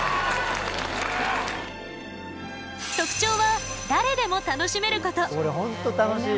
特徴は、誰でも楽しめること。